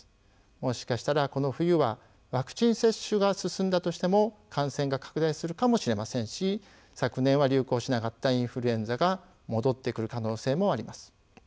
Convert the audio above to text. もしかしたらこの冬はワクチン接種が進んだとしても感染が拡大するかもしれませんし昨年は流行しなかったインフルエンザが戻ってくる可能性もあります。